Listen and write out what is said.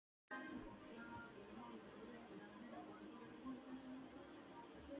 Su padre había muerto en prisión como un hombre inocente.